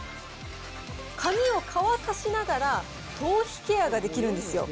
髪を乾かしながら頭皮ケアができるんですよ。